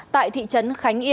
tại thị trấn khánh